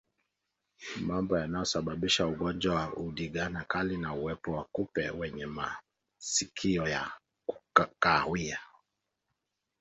Mambo yanayosababisha ugonjwa wa ndigana kali ni uwepo wa kupe wenye masikio ya kahawia